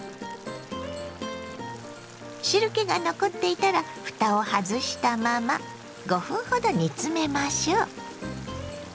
汁けが残っていたらふたを外したまま５分ほど煮詰めましょ。